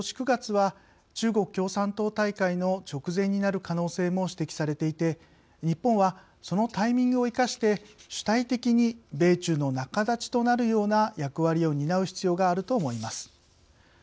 ９月は中国共産党大会の直前になる可能性も指摘されていて日本はそのタイミングを生かして主体的に米中の仲立ちとなるような役割を担う必要があると思います。